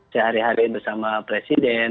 sehari hari bersama presiden